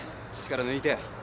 力抜いて。